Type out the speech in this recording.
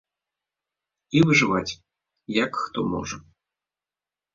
І выжываць, як хто можа.